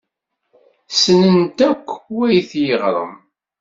Ssnen-t akk wayt yiɣrem.